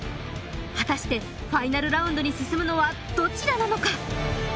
果たしてファイナルラウンドに進むのはどちらなのか？